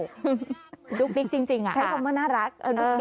ดุ๊กดิ๊กจริงใช้คำว่าน่ารัก